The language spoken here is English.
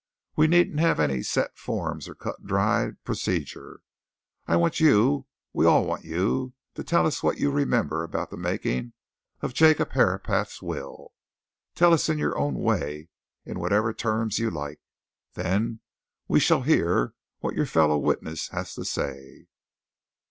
We needn't have any set forms or cut and dried procedure. I want you we all want you to tell us what you remember about the making of Jacob Herapath's will. Tell us in your own way, in whatever terms you like. Then we shall hear what your fellow witness has to say."